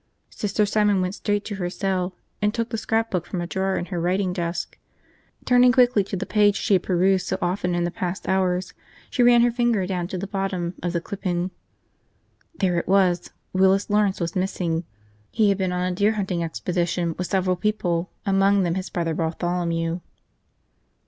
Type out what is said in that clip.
Sister Simon went straight to her cell and took the scrapbook from a drawer in her writing desk. Turning quickly to the page she had perused so often in the past hours, she ran her finger down to the bottom of the clipping. There it was, Willis Lawrence was missing. He had been on a deer hunting expedition with several people, among them his brother Bartholomew.